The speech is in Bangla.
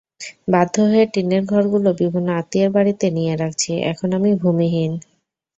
বাধ্য হয়ে টিনের ঘরগুলো বিভিন্ন আত্মীয়ের বাড়িতে নিয়ে রাখছি, এখন আমি ভূমিহীন।